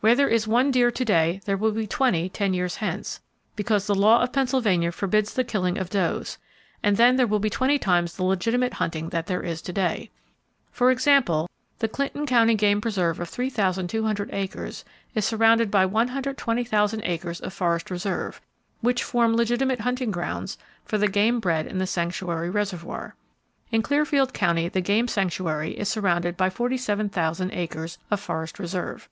Where there is one deer to day there will be twenty ten years hence,—because the law of Pennsylvania forbids the killing of does; and then there will be twenty times the legitimate hunting that there is to day. For example, the Clinton County Game Preserve of 3,200 acres is surrounded by 128,000 acres of forest reserve, which form legitimate hunting grounds for the game bred in the sanctuary reservoir. In Clearfield County the game sanctuary is surrounded by 47,000 acres of Forest Reserve.